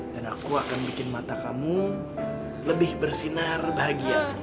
dan aku akan bikin mata kamu lebih bersinar bahagia